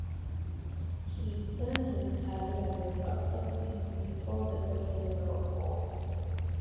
He began his career with Oxford City before the Second World War.